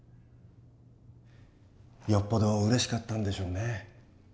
よっぽどうれしかったんでしょうね。